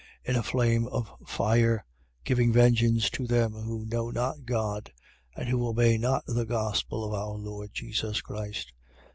In a flame of fire, giving vengeance to them who know not God and who obey not the gospel of our Lord Jesus Christ.